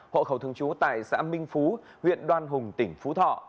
hộ khẩu thường trú tại xã minh phú huyện đoan hùng tỉnh phú thọ